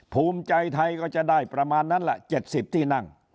ภูมิใจไทยก็จะได้ประมาณนั้นแหละ๗๐ที่นั่ง